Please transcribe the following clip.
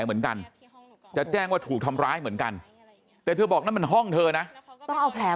เหมือนกันจะแจ้งว่าถูกทำร้ายเหมือนกันแต่ตอนนี้นะต้องเอาแผล